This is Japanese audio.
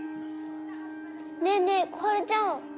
ねえねえ心春ちゃん